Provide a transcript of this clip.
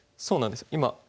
そうなんです今。